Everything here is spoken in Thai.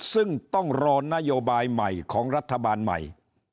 ซึ่งต้องรอนโยบายใหม่ของรัฐบาลใหม่